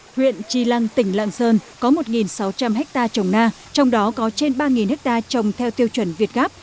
huyện tri lăng tỉnh lạng sơn có một sáu trăm linh ha trồng na trong đó có trên ba ha trồng theo tiêu chuẩn việt gáp